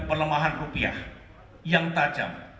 pelemahan rupiah yang tajam